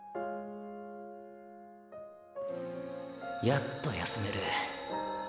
やっと休める。